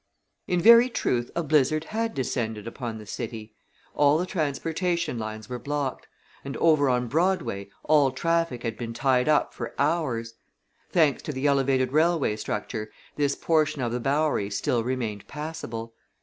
In very truth a blizzard had descended upon the city. All the transportation lines were blocked, and over on Broadway all traffic had been tied up for hours. Thanks to the elevated railway structure, this portion of the Bowery still remained passable.